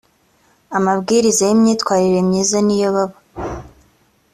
amabwiriza y imyitwarire myiza n iyo baba